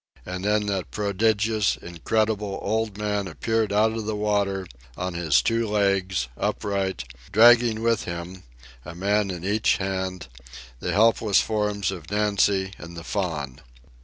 And then that prodigious, incredible old man appeared out of the water, on his two legs, upright, dragging with him, a man in each hand, the helpless forms of Nancy and the Faun.